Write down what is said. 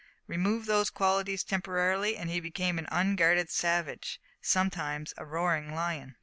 Remove these qualities temporarily, and he became an unguarded savage sometimes a roaring lion.